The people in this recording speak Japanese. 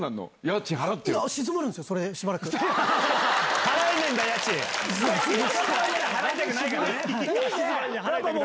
払いたくないからね。